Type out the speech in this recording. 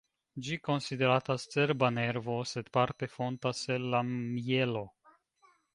Ĝi konsideratas cerba nervo, sed parte fontas el la mjelo.